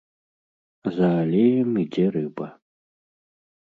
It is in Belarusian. За алеем ідзе рыба.